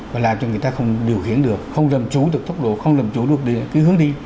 và làm cho người ta không điều khiển được không làm chủ được tốc độ không làm chủ được cái hướng đi